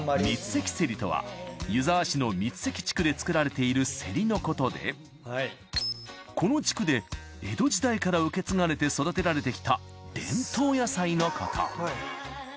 三関せりとは湯沢市の三関地区で作られているせりのことでこの地区で江戸時代から受け継がれて育てられてきた伝統野菜のこと。